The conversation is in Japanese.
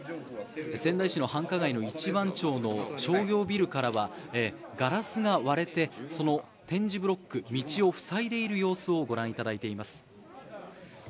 仙台市の繁華街の一番町の商業ビルからはガラスが割れて、点字ブロック道を塞いでいる様子をご覧いただいています。